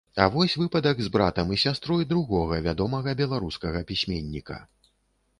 А вось выпадак з братам і сястрой другога вядомага беларускага пісьменніка.